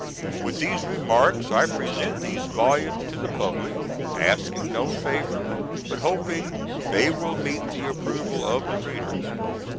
With these remarks I present these volumes to the public, asking no favor but hoping they will meet the approval of the reader.